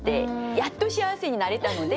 やっと幸せになれたので。